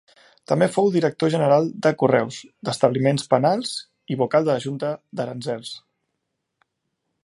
També fou director general de Correus, d'Establiments Penals i vocal de la Junta d'Aranzels.